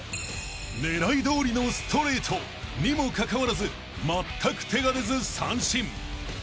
［狙いどおりのストレートにもかかわらずまったく手が出ず三振］